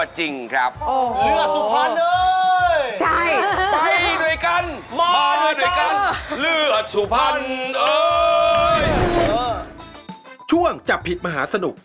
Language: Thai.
ช่วงจับผิดมหาสนุก